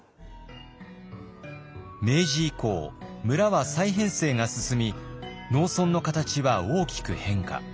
明治以降村は再編成が進み農村の形は大きく変化。